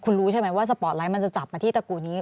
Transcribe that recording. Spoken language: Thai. คุณรู้ใช่ไหมว่าสปอร์ตไลท์มันจะจับมาที่ตระกูลนี้